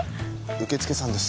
受付さんです